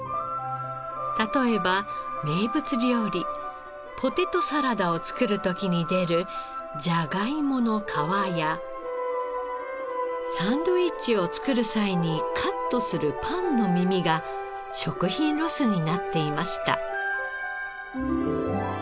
例えば名物料理ポテトサラダを作る時に出るジャガイモの皮やサンドイッチを作る際にカットするパンの耳が食品ロスになっていました。